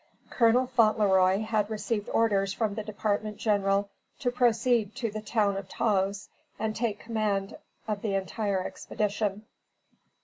Colonel Fauntleroy had received orders from the Department General to proceed to the town of Taos and take command of the entire expedition.